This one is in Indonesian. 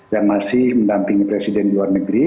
yang masih mendampingi presiden di luar negeri